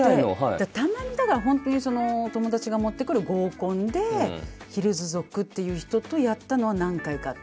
たまにだから本当にお友達が持ってくるっていう人とやったのは何回かあった。